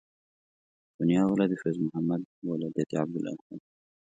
سونیا ولد فیض محمد ولدیت عبدالاحد